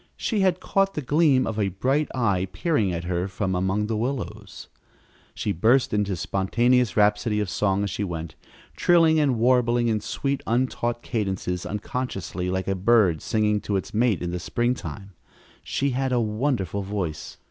She had caught the gleam of a bright eye peering at her from among the willows! She burst into a spontaneous rhapsody of song as she went, trilling and warbling in sweet, untaught cadences, unconsciously like a bird singing to its mate in the springtime. She had a wonderful voice.